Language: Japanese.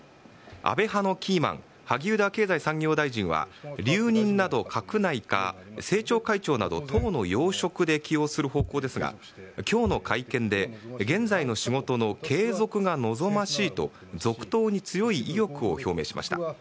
安倍派のキーマン萩生田経済産業大臣は留任など閣内か政調会長など党の要職で起用する方向ですが今日の会見で現在の仕事の継続が望ましいと続投に強い意欲を表明しました。